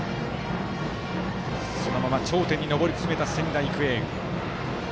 そのまま頂点に上り詰めた仙台育英。